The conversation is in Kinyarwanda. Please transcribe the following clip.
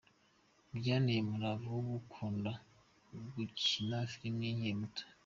Byanteye umurava wo gukunda gukina filimi nkiri muto.